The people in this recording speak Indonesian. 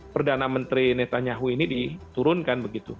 perdana menteri netanyahu ini diturunkan begitu